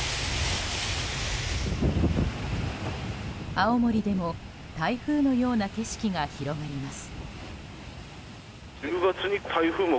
青森でも台風のような景色が広がります。